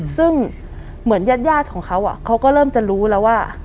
ซึ่งเหมือนญาติของเขาเขาก็เริ่มจะรู้แล้วว่า